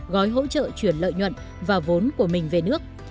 gói hỗ trợ chuyển lợi nhuận và vốn của mình về nước